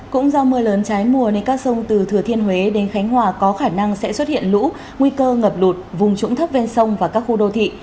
cũng do mưa lớn trái mùa nên các sông từ thừa thiên huế đến khánh hòa có khả năng sẽ xuất hiện lũ nguy cơ ngập lụt vùng trũng thấp ven sông và các khu đô thị